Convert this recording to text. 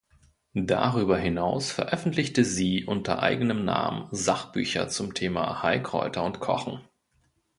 Darüber hinaus veröffentlichte sie unter eigenem Namen Sachbücher zum Thema Heilkräuter und Kochen.